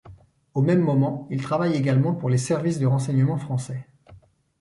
Au même moment, il travaille également pour les services de renseignements français.